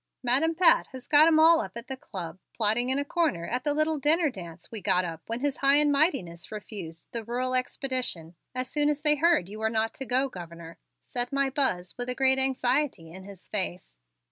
"Madam Pat has got 'em all up at the Club, plotting in a corner at the little dinner dance we got up when his High and Mightiness refused the rural expedition, as soon as they heard you were not to go, Governor," said my Buzz with a great anxiety in his face.